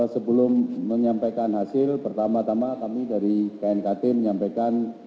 sebelum menyampaikan hasil pertama tama kami dari knkt menyampaikan